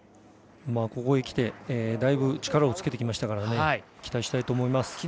ここへきてだいぶ、力をつけてきましたから期待したいと思います。